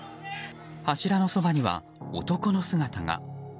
柱のそばには男の姿が。